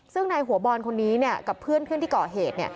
ซึ่งนายหัวบอลคนนี้กับเพื่อนที่ก่อเหตุ